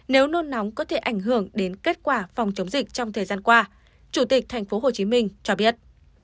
nếu nôn nóng có thể ảnh hưởng đến kết quả phòng chống dịch trong thời gian qua chủ tịch tp hcm cho biết